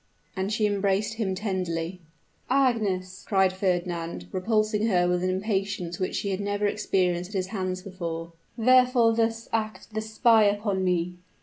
And she embraced him tenderly. "Agnes!" cried Fernand, repulsing her with an impatience which she had never experienced at his hands before: "wherefore thus act the spy upon me?